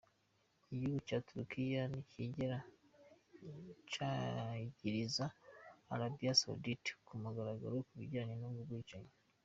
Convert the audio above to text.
Igihugu ca Turukiya ntikirigera cagiriza Arabie Saoudite ku mugaragaro ku bijanye n'ubwo bwicanyi.